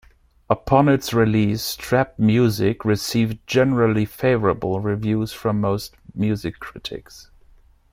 Upon its release, "Trap Muzik" received generally favorable reviews from most music critics.